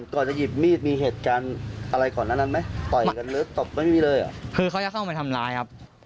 คือเขาจะเข้ามาทำร้ายครับ